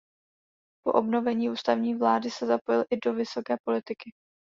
Po obnovení ústavní vlády se zapojil i do vysoké politiky.